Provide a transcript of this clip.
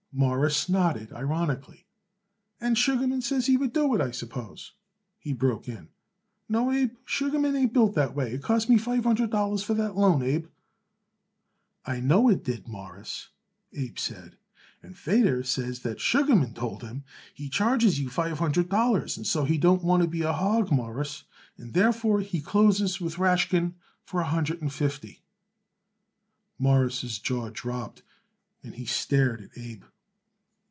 Morris nodded ironically. "And Sugarman says he would do it, I suppose," he broke in. "No, Abe, Sugarman ain't built that way. It costs me five hundred dollars for that loan, Abe." "I know it did, Mawruss," Abe said, "and Feder says that Sugarman told him he charges you five hundred dollars, and so he don't want to be a hog, Mawruss, and, therefore, he closes with Rashkin for a hundred and fifty." Morris' jaw dropped and he stared at Abe.